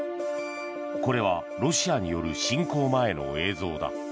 これは、ロシアによる侵攻前の映像だ。